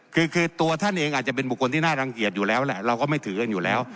คือตัวท่านเองอาจจะเป็นบุคคลที่น่ารังเกียจอยู่แล้วแหละเราก็ไม่ถือกันอยู่แล้ว